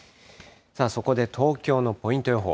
そこで東京のポイント予報。